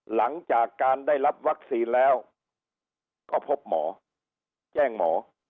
หลังจากการได้รับวัคซีนแล้วก็พบหมอแจ้งหมอ